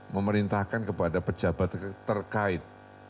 memerintahkan kepada pejabat terkait